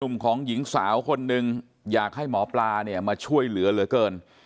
ของหญิงสาวคนหนึ่งอยากให้หมอปลาเนี่ยมาช่วยเหลือเหลือเกิน